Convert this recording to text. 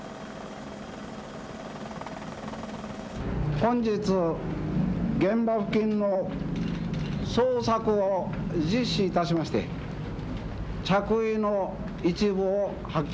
本日現場付近の捜索を実施いたしまして着衣の一部を発見いたしました。